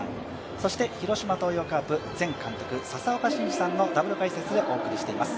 そして広島東洋カープ前監督佐々岡真司さんのダブル解説でお送りしてまいります。